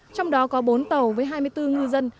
trong đó có bốn tàu với hai mươi bốn ngư dân